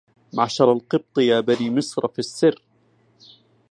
معشر القبط يا بني مصر في السر